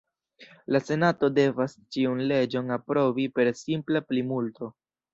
La Senato devas ĉiun leĝon aprobi per simpla plimulto.